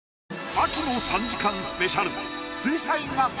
秋の３時間スペシャル。